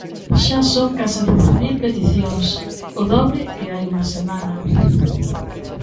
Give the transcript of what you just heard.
Xa son case doce mil peticións, o dobre que hai unha semana.